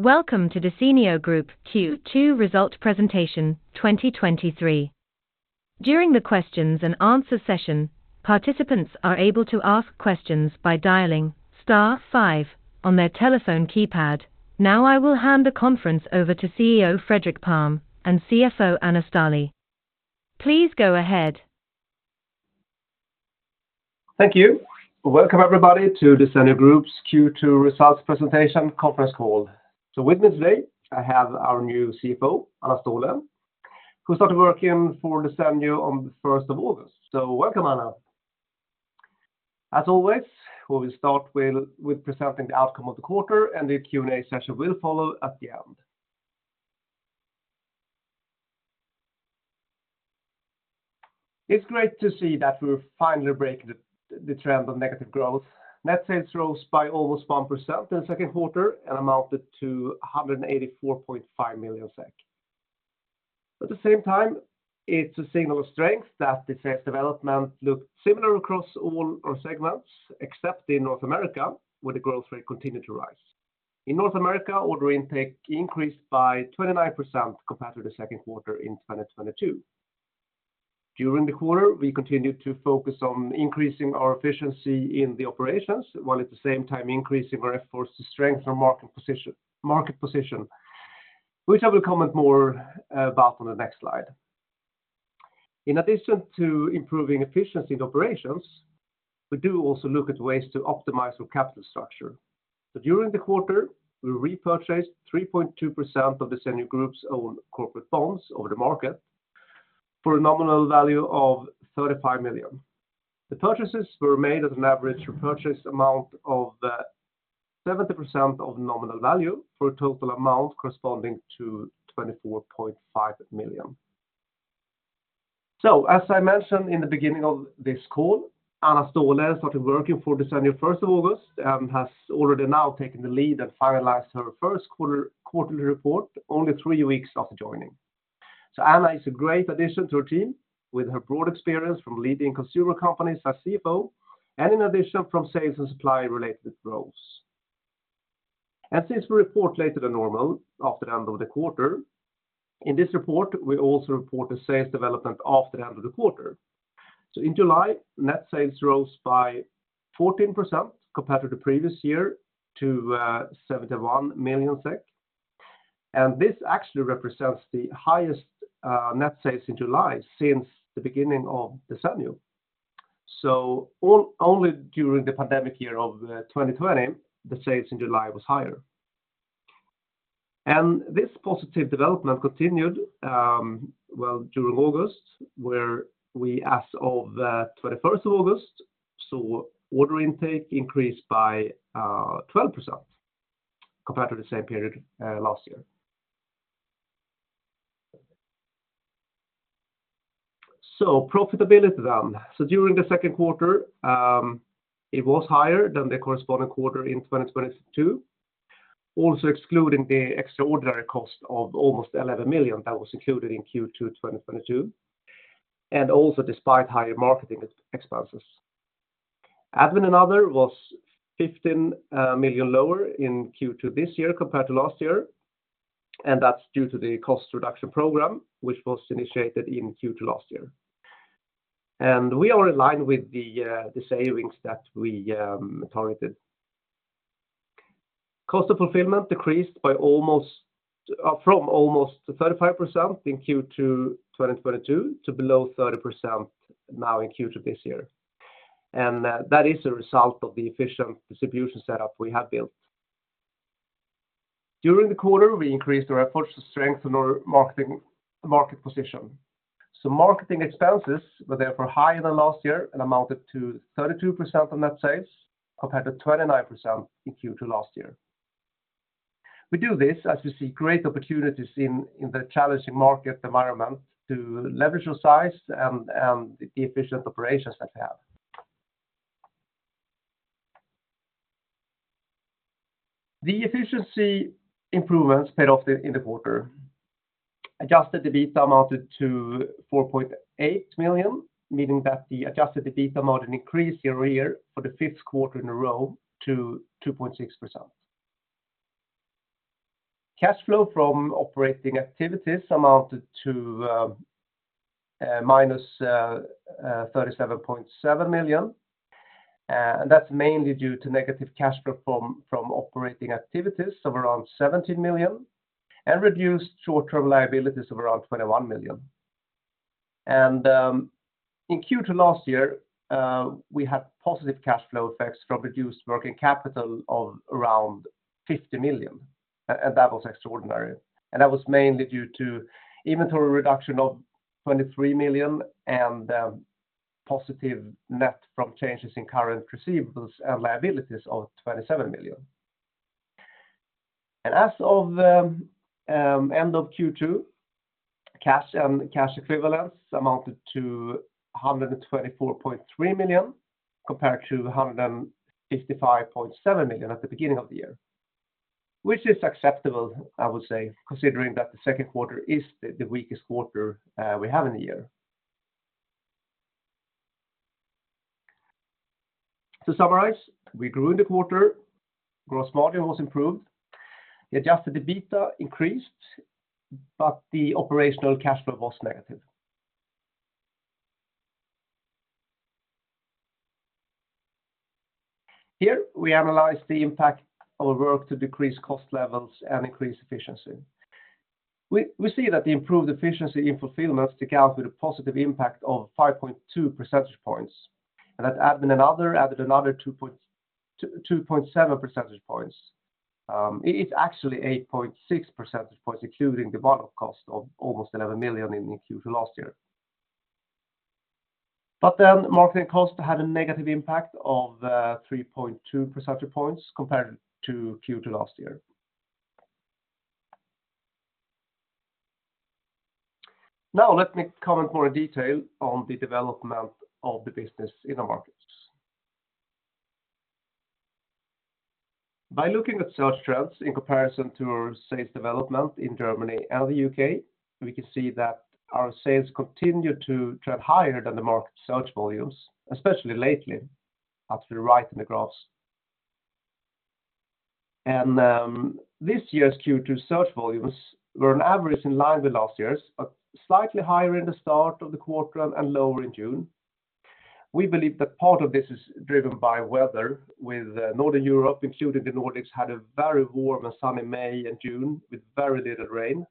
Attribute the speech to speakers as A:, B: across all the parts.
A: Welcome to Desenio Group Q2 Result Presentation 2023. During the questions and answer session, participants are able to ask questions by dialing star five on their telephone keypad. Now, I will hand the conference over to CEO Fredrik Palm and CFO Anna Ståhle. Please go ahead.
B: Thank you. Welcome, everybody, to Desenio Group's Q2 Results Presentation conference call. So with me today, I have our new CFO, Anna Ståhle, who started working for Desenio on the 1st of August. So welcome, Anna. As always, we will start with presenting the outcome of the quarter, and the Q&A session will follow at the end. It's great to see that we're finally breaking the trend of negative growth. Net sales rose by almost 1% in the second quarter and amounted to 184.5 million SEK. At the same time, it's a signal of strength that the sales development looked similar across all our segments, except in North America, where the growth rate continued to rise. In North America, order intake increased by 29% compared to the second quarter in 2022. During the quarter, we continued to focus on increasing our efficiency in the operations, while at the same time increasing our efforts to strengthen our market position, market position, which I will comment more about on the next slide. In addition to improving efficiency in operations, we do also look at ways to optimize our capital structure. So during the quarter, we repurchased 3.2% of Desenio Group's own corporate bonds over the market for a nominal value of 35 million. The purchases were made at an average repurchase amount of 70% of nominal value for a total amount corresponding to 24.5 million. So as I mentioned in the beginning of this call, Anna Ståhle started working for Desenio 1st of August, and has already now taken the lead and finalized her first quarter, quarterly report, only three weeks after joining. So Anna is a great addition to our team with her broad experience from leading consumer companies as CFO, and in addition from sales and supply related roles. And since we report later than normal after the end of the quarter, in this report, we also report the sales development after the end of the quarter. So in July, net sales rose by 14% compared to the previous year to 71 million SEK, and this actually represents the highest net sales in July since the beginning of Desenio. So only during the pandemic year of 2020, the sales in July was higher. And this positive development continued well during August, where we, as of the 21st of August, so order intake increased by 12% compared to the same period last year. So profitability then. So during the second quarter, it was higher than the corresponding quarter in 2022. Also, excluding the extraordinary cost of almost 11 million that was included in Q2 2022, and also despite higher marketing expenses. Admin and other was 15 million lower in Q2 this year compared to last year, and that's due to the cost reduction program, which was initiated in Q2 last year. And we are in line with the the savings that we targeted. Cost of fulfillment decreased by almost from almost 35% in Q2 2022 to below 30% now in Q2 this year. And that is a result of the efficient distribution setup we have built. During the quarter, we increased our efforts to strengthen our marketing, market position, so marketing expenses were therefore higher than last year and amounted to 32% of net sales, compared to 29% in Q2 last year. We do this as we see great opportunities in the challenging market environment to leverage our size and the efficient operations that we have. The efficiency improvements paid off in the quarter. Adjusted EBITDA amounted to 4.8 million, meaning that the Adjusted EBITDA margin increased year-over-year for the fifth quarter in a row to 2.6%. Cash flow from operating activities amounted to minus 37.7 million, and that's mainly due to negative cash flow from operating activities of around 17 million and reduced short-term liabilities of around 21 million. In Q2 last year, we had positive cash flow effects from reduced working capital of around 50 million, and that was extraordinary. That was mainly due to inventory reduction of 23 million and positive net from changes in current receivables and liabilities of 27 million. As of end of Q2, cash and cash equivalents amounted to 124.3 million, compared to 155.7 million at the beginning of the year, which is acceptable, I would say, considering that the second quarter is the weakest quarter we have in a year... To summarize, we grew in the quarter, gross margin was improved, the Adjusted EBITDA increased, but the operational cash flow was negative. Here, we analyze the impact of our work to decrease cost levels and increase efficiency. We see that the improved efficiency in fulfillment stands out with a positive impact of 5.2 percentage points, and that admin and other added another 2.7 percentage points. It's actually 8.6 percentage points, including the bottom cost of almost 11 million in Q2 last year. But then marketing costs had a negative impact of 3.2 percentage points compared to Q2 last year. Now, let me comment more in detail on the development of the business in our markets. By looking at search trends in comparison to our sales development in Germany and the U.K., we can see that our sales continued to trend higher than the market search volumes, especially lately, up to the right in the graphs. This year's Q2 search volumes were on average in line with last year's, but slightly higher in the start of the quarter and lower in June. We believe that part of this is driven by weather, with Northern Europe, including the Nordics, had a very warm and sunny May and June with very little rain.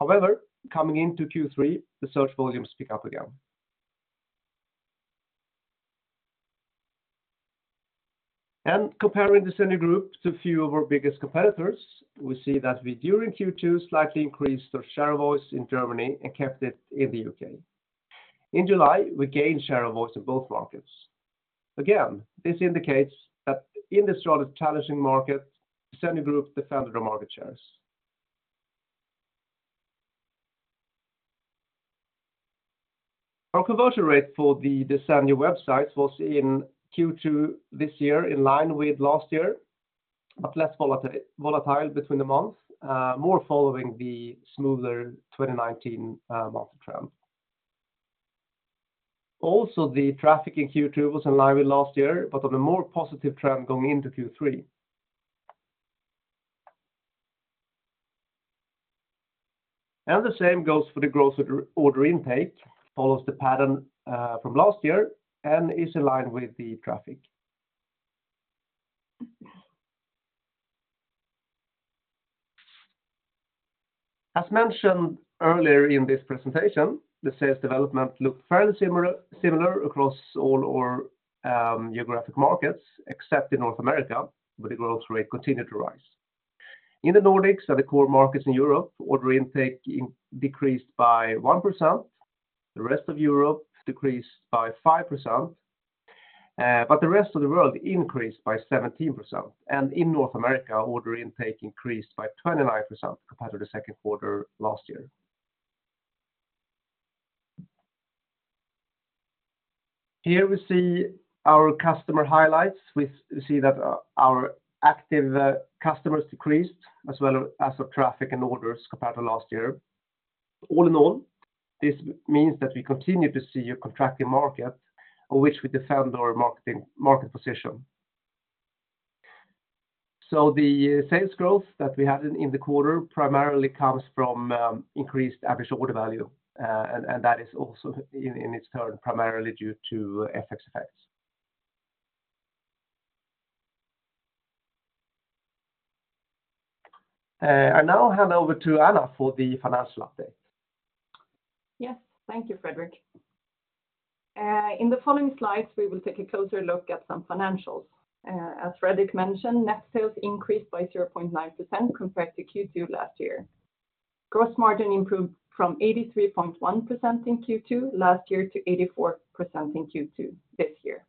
B: However, coming into Q3, the search volumes pick up again. Comparing the Desenio Group to a few of our biggest competitors, we see that we, during Q2, slightly increased our share of voice in Germany and kept it in the U.K. In July, we gained share of voice in both markets. Again, this indicates that in this rather challenging market, Desenio Group defended our market shares. Our conversion rate for the Desenio websites was in Q2 this year, in line with last year, but less volatile, volatile between the months, more following the smoother 2019 monthly trend. Also, the traffic in Q2 was in line with last year, but on a more positive trend going into Q3. The same goes for the growth order intake, follows the pattern from last year and is in line with the traffic. As mentioned earlier in this presentation, the sales development looked fairly similar, similar across all our geographic markets, except in North America, where the growth rate continued to rise. In the Nordics and the core markets in Europe, order intake decreased by 1%, the rest of Europe decreased by 5%, but the rest of the world increased by 17%, and in North America, order intake increased by 29% compared to the second quarter last year. Here we see our customer highlights. We see that, our active, customers decreased as well as our traffic and orders compared to last year. All in all, this means that we continue to see a contracting market on which we defend our marketing, market position. So the sales growth that we had in the quarter primarily comes from, increased average order value, and, and that is also in, in its turn, primarily due to FX effects. I now hand over to Anna for the financial update.
C: Yes, thank you, Fredrik. In the following slides, we will take a closer look at some financials. As Fredrik mentioned, net sales increased by 0.9% compared to Q2 last year. Gross margin improved from 83.1% in Q2 last year to 84% in Q2 this year.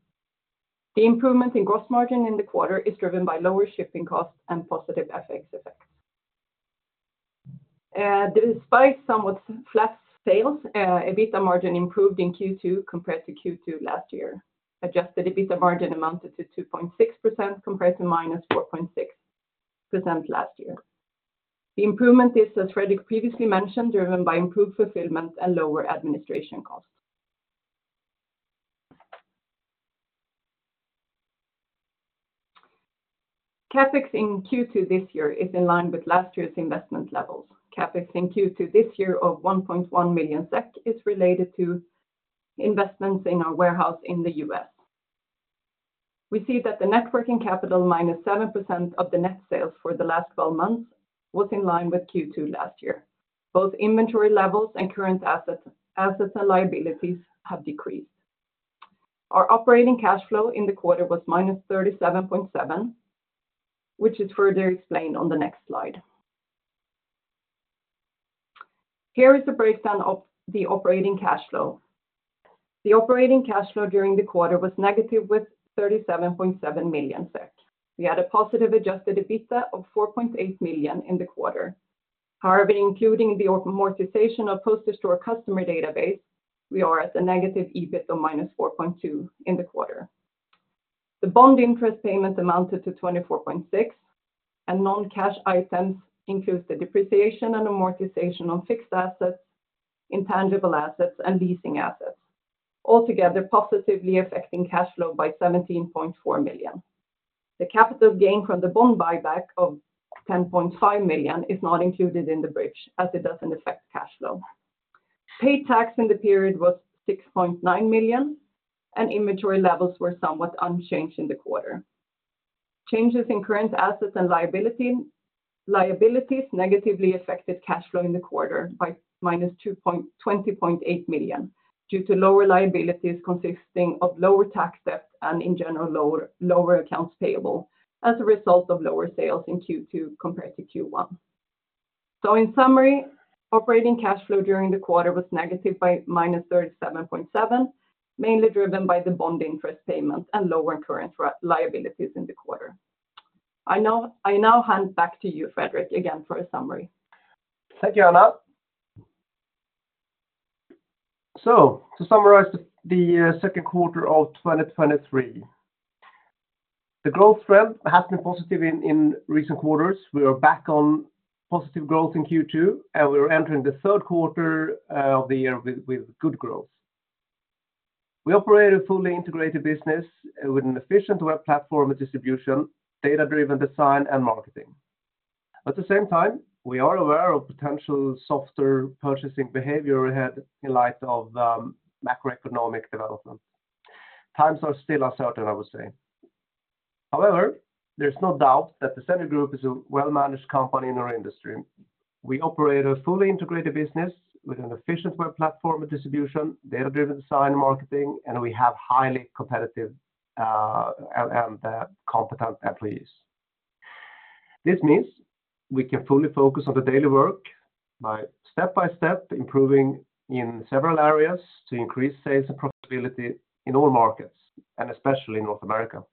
C: The improvement in gross margin in the quarter is driven by lower shipping costs and positive FX effects. Despite somewhat flat sales, EBITDA margin improved in Q2 compared to Q2 last year. Adjusted EBITDA margin amounted to 2.6%, compared to -4.6% last year. The improvement is, as Fredrik previously mentioned, driven by improved fulfillment and lower administration costs. CapEx in Q2 this year is in line with last year's investment levels. CapEx in Q2 this year of 1.1 million SEK is related to investments in our warehouse in the U.S. We see that the net working capital, -7% of the net sales for the last 12 months, was in line with Q2 last year. Both inventory levels and current assets, assets and liabilities have decreased. Our operating cash flow in the quarter was -37.7 million, which is further explained on the next slide. Here is a breakdown of the operating cash flow. The operating cash flow during the quarter was negative, with 37.7 million SEK. We had a positive adjusted EBITDA of 4.8 million in the quarter. However, including the amortization of postage to our customer database, we are at a negative EBIT of -4.2 million in the quarter. The bond interest payment amounted to 24.6 million. Non-cash items include the depreciation and amortization on fixed assets, intangible assets, and leasing assets, altogether positively affecting cash flow by 17.4 million. The capital gain from the bond buyback of 10.5 million is not included in the bridge as it doesn't affect cash flow. Paid tax in the period was 6.9 million, and inventory levels were somewhat unchanged in the quarter. Changes in current assets and liabilities negatively affected cash flow in the quarter by -20.8 million, due to lower liabilities consisting of lower tax debt and in general, lower accounts payable as a result of lower sales in Q2 compared to Q1. So in summary, operating cash flow during the quarter was negative by -37.7 million, mainly driven by the bond interest payment and lower current liabilities in the quarter. I now hand back to you, Fredrik, again for a summary.
B: Thank you, Anna. So to summarize the second quarter of 2023, the growth trend has been positive in recent quarters. We are back on positive growth in Q2, and we're entering the third quarter of the year with good growth. We operate a fully integrated business with an efficient web platform and distribution, data-driven design, and marketing. At the same time, we are aware of potential softer purchasing behavior ahead in light of the macroeconomic development. Times are still uncertain, I would say. However, there's no doubt that the Desenio Group is a well-managed company in our industry. We operate a fully integrated business with an efficient web platform and distribution, data-driven design and marketing, and we have highly competitive and competent employees. This means we can fully focus on the daily work by step by step, improving in several areas to increase sales and profitability in all markets, and especially in North America.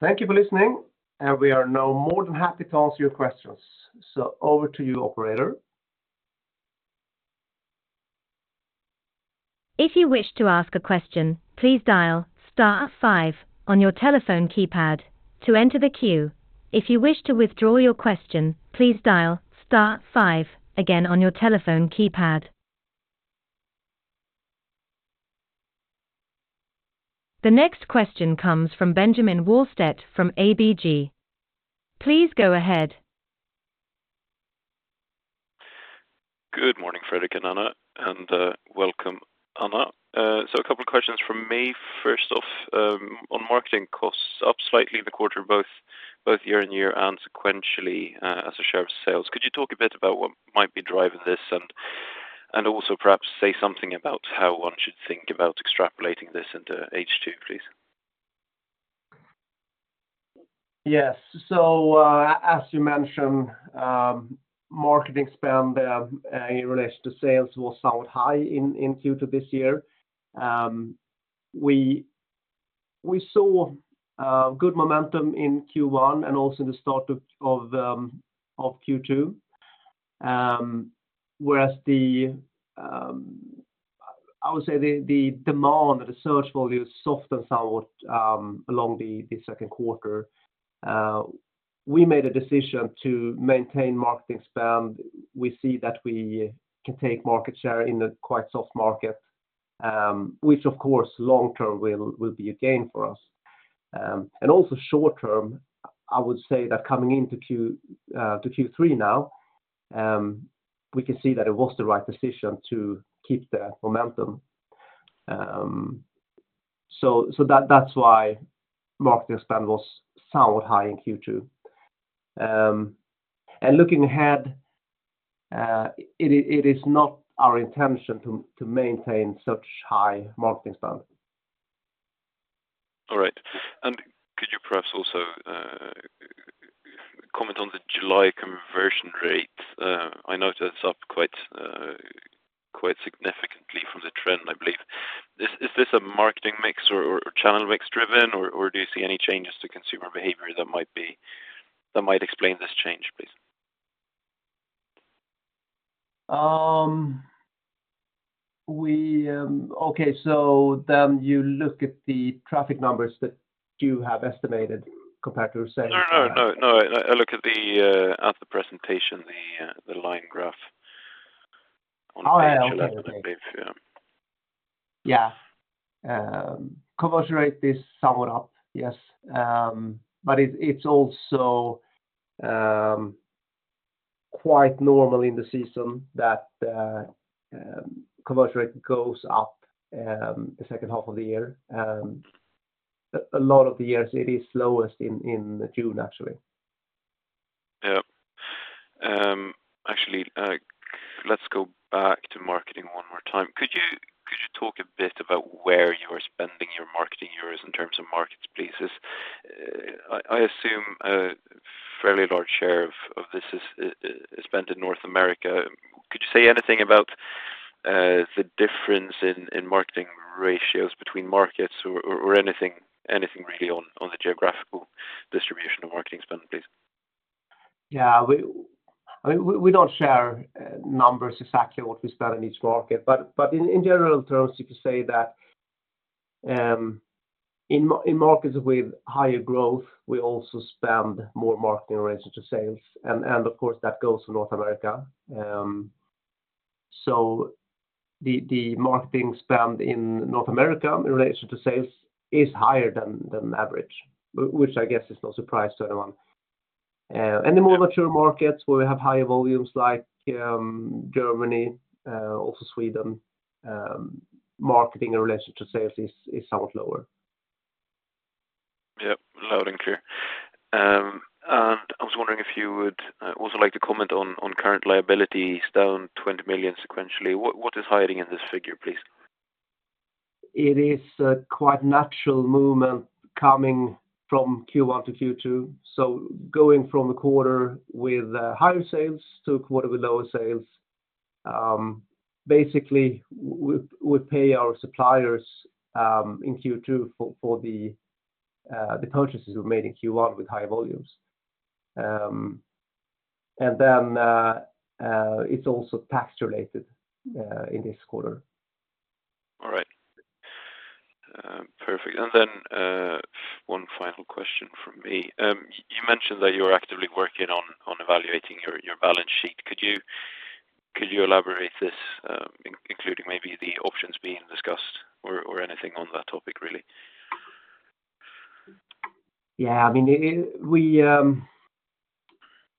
B: Thank you for listening, and we are now more than happy to answer your questions. So over to you, operator.
A: If you wish to ask a question, please dial star five on your telephone keypad to enter the queue. If you wish to withdraw your question, please dial star five again on your telephone keypad. The next question comes from Benjamin Wahlstedt from ABG. Please go ahead.
D: Good morning, Fredrik and Anna, and welcome, Anna. So a couple of questions from me. First off, on marketing costs up slightly in the quarter, both year-over-year and sequentially, as a share of sales. Could you talk a bit about what might be driving this? And also perhaps say something about how one should think about extrapolating this into H2, please.
B: Yes. So, as you mentioned, marketing spend in relation to sales was somewhat high in Q2 this year. We saw good momentum in Q1 and also in the start of Q2. Whereas, I would say, the demand or the search volume softened somewhat along the second quarter. We made a decision to maintain marketing spend. We see that we can take market share in a quite soft market, which of course, long term will be a gain for us. And also short term, I would say that coming into Q3 now, we can see that it was the right decision to keep the momentum. So that, that's why marketing spend was somewhat high in Q2. And looking ahead, it is not our intention to maintain such high marketing standards.
D: All right. Could you perhaps also comment on the July conversion rate? I know that's up quite significantly from the trend, I believe. Is this a marketing mix or channel mix driven, or do you see any changes to consumer behavior that might explain this change, please?
B: Okay, so then you look at the traffic numbers that you have estimated compared to the sales?
D: No, no, no, I look at the, at the presentation, the, the line graph on-
B: Oh, yeah.
D: Yeah.
B: Yeah, conversion rate is somewhat up. Yes, but it's also quite normal in the season that conversion rate goes up the second half of the year. A lot of the years it is slowest in June, actually.
D: Yeah. Actually, let's go back to marketing one more time. Could you talk a bit about where you are spending your marketing euros in terms of markets, please? I assume a fairly large share of this is spent in North America. Could you say anything about the difference in marketing ratios between markets or anything really on the geographical marketing spend, please?
B: Yeah, we, I mean, we don't share numbers exactly what we spend in each market, but in general terms, you could say that in markets with higher growth, we also spend more marketing in relation to sales, and of course, that goes for North America. So the marketing spend in North America in relation to sales is higher than average, which I guess is no surprise to anyone. And the more mature markets where we have higher volumes like Germany, also Sweden, marketing in relation to sales is somewhat lower.
D: Yep, loud and clear. I was wondering if you would also like to comment on current liabilities down 20 million sequentially. What is hiding in this figure, please?
B: It is a quite natural movement coming from Q1-Q2, so going from a quarter with higher sales to a quarter with lower sales. Basically, we pay our suppliers in Q2 for the purchases we made in Q1 with high volumes. Then it's also tax related in this quarter.
D: All right. Perfect. And then, one final question from me. You mentioned that you are actively working on evaluating your balance sheet. Could you elaborate this, including maybe the options being discussed or anything on that topic, really?
B: Yeah, I mean, we...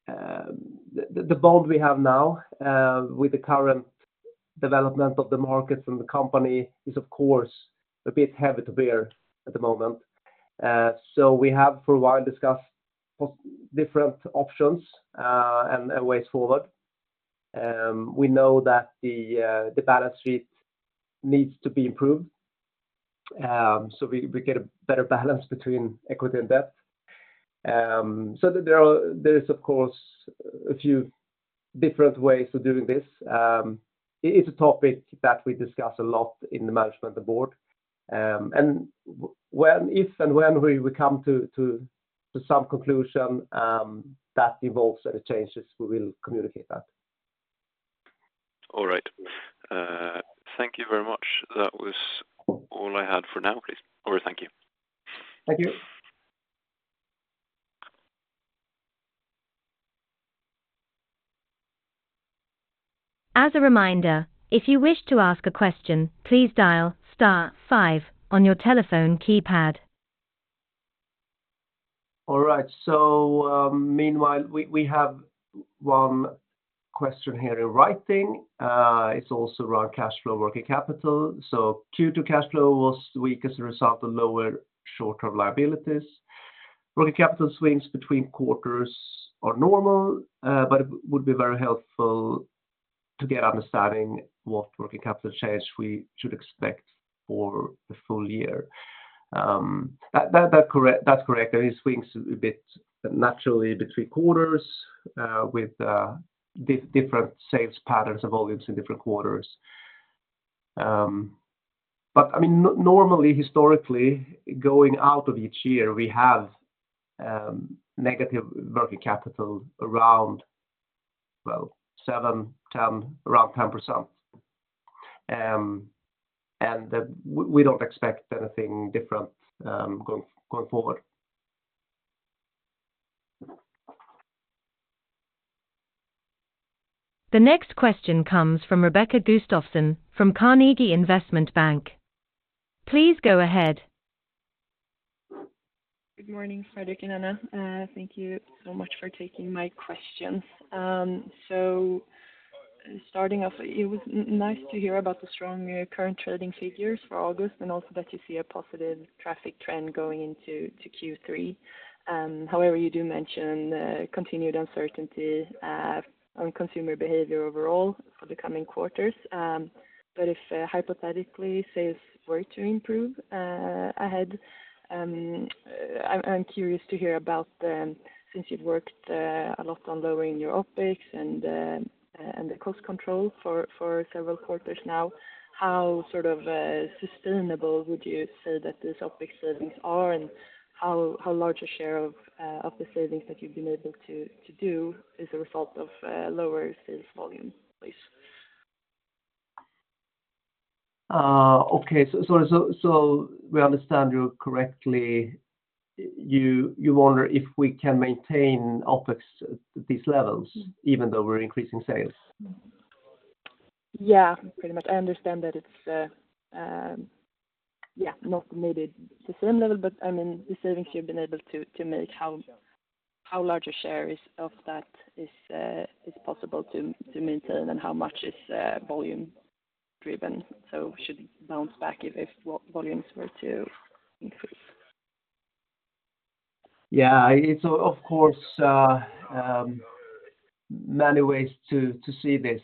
B: The bond we have now with the current development of the market and the company is, of course, a bit heavy to bear at the moment. So we have for a while discussed different options and ways forward. We know that the balance sheet needs to be improved, so we get a better balance between equity and debt. So there are, there is, of course, a few different ways of doing this. It's a topic that we discuss a lot in the management of the board. And when, if, and when we come to some conclusion that involves any changes, we will communicate that.
D: All right. Thank you very much. That was all I had for now, please. Or thank you.
B: Thank you.
A: As a reminder, if you wish to ask a question, please dial star five on your telephone keypad.
B: All right. Meanwhile, we have one question here in writing. It's also around cash flow, working capital. Q2 cash flow was weak as a result of lower short-term liabilities. Working capital swings between quarters are normal, but it would be very helpful to get understanding what working capital change we should expect for the full year. That's correct. It swings a bit naturally between quarters with different sales patterns of volumes in different quarters. But I mean, normally, historically, going out of each year, we have negative working capital around, well, seven, 10, around 10%. We don't expect anything different going forward.
A: The next question comes from Rebecka Gustafsson from Carnegie Investment Bank. Please go ahead.
E: Good morning, Fredrik and Anna. Thank you so much for taking my questions. So starting off, it was nice to hear about the strong current trading figures for August, and also that you see a positive traffic trend going into Q3. However, you do mention continued uncertainty on consumer behavior overall for the coming quarters. But if hypothetically sales were to improve ahead, I'm curious to hear about, since you've worked a lot on lowering your OpEx and the cost control for several quarters now, how sort of sustainable would you say that this OpEx savings are, and how large a share of the savings that you've been able to do as a result of lower sales volume, please?
B: Okay. So, we understand you correctly, you wonder if we can maintain OpEx at these levels even though we're increasing sales?
E: Yeah, pretty much. I understand that it's not maybe the same level, but I mean, the savings you've been able to make, how large a share is of that is possible to maintain and how much is volume driven, so should bounce back if volumes were to increase?
B: Yeah, it's of course many ways to see this.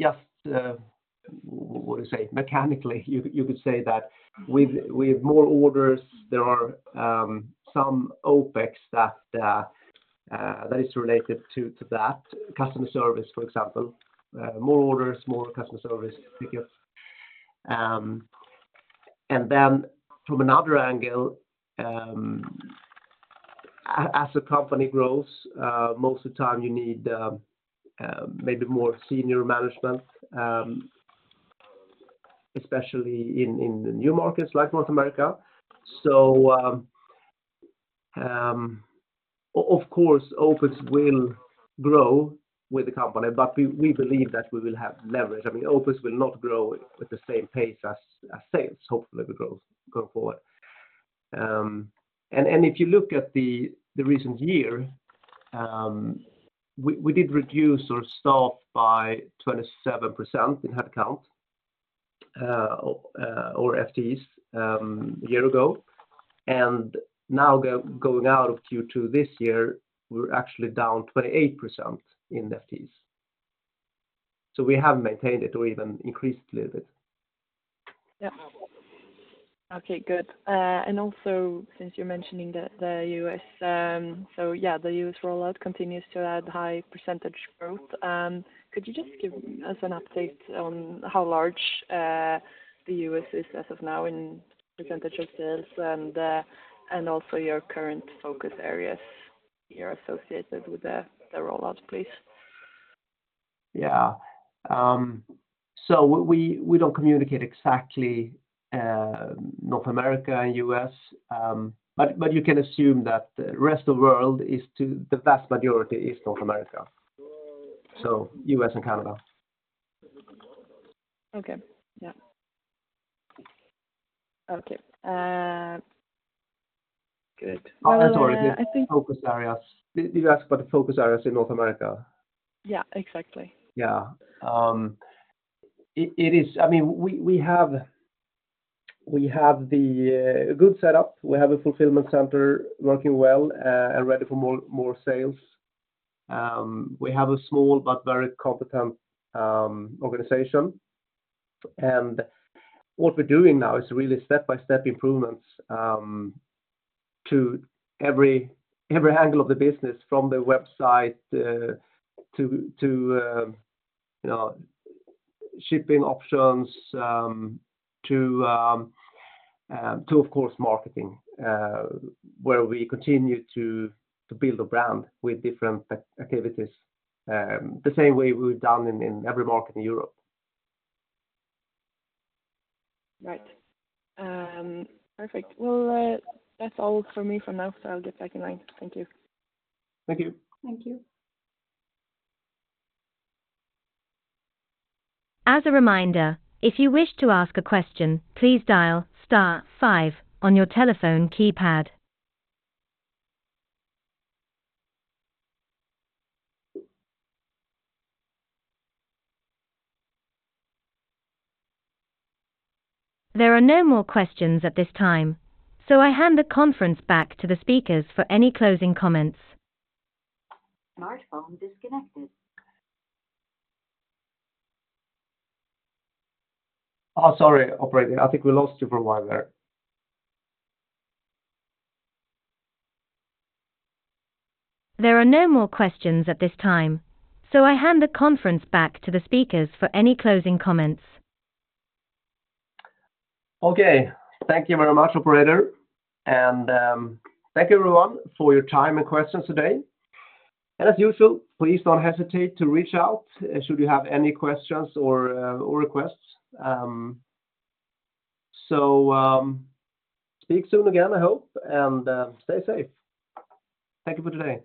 B: Just, what do you say? Mechanically, you could say that with more orders, there are some OpEx that is related to that, customer service, for example. More orders, more customer service. And then from another angle, as the company grows, most of the time you need maybe more senior management, especially in the new markets like North America. So, of course, OpEx will grow with the company, but we believe that we will have leverage. I mean, OpEx will not grow at the same pace as sales, hopefully, we grow going forward. And if you look at the recent year, we did reduce our staff by 27% in head count, or FTEs, a year ago. And now going out of Q2 this year, we're actually down 28% in FTEs. So we have maintained it or even increased a little bit.
E: Yeah. Okay, good. And also, since you're mentioning the U.S., so yeah, the U.S. rollout continues to add high percentage growth. Could you just give us an update on how large the U.S. is as of now in percentage of sales and also your current focus areas here associated with the rollout, please?
B: Yeah. So we, we don't communicate exactly North America and U.S., but, but you can assume that the rest of world is to-- the vast majority is North America, so US and Canada.
E: Okay. Yeah. Okay,
B: Good.
E: I think-
B: Oh, sorry. Focus areas. Did you ask about the focus areas in North America?
E: Yeah, exactly.
B: Yeah. I mean, we have the good setup. We have a fulfillment center working well and ready for more sales. We have a small but very competent organization. And what we're doing now is really step-by-step improvements to every angle of the business, from the website to you know shipping options to of course marketing, where we continue to build a brand with different activities, the same way we've done in every market in Europe.
E: Right. Perfect. Well, that's all for me for now, so I'll get back in line. Thank you.
B: Thank you.
C: Thank you.
A: As a reminder, if you wish to ask a question, please dial star five on your telephone keypad. There are no more questions at this time, so I hand the conference back to the speakers for any closing comments.
B: Oh, sorry, operator. I think we lost you for a while there.
A: There are no more questions at this time, so I hand the conference back to the speakers for any closing comments.
B: Okay. Thank you very much, operator. Thank you everyone for your time and questions today. As usual, please don't hesitate to reach out, should you have any questions or requests. Speak soon again, I hope, and stay safe. Thank you for today.